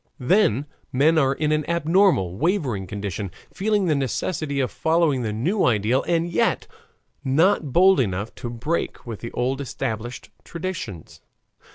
Then men are in an abnormal, wavering condition, feeling the necessity of following the new ideal, and yet not bold enough to break with the old established traditions.